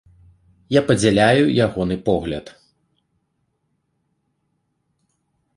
Я падзяляю ягоны погляд.